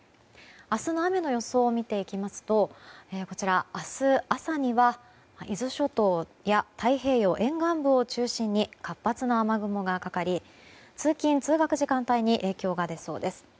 明日の雨の予想を見ていきますと明日朝には伊豆諸島や太平洋沿岸部を中心に活発な雨雲がかかり通勤・通学の時間帯に影響が出そうです。